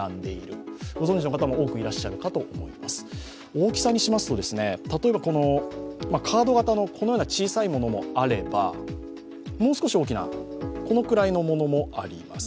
大きさは、例えばカード型のこのような小さいものもあればもう少し大きなこのくらいのものもあります。